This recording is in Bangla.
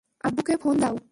আব্বুকে ফোন দাও।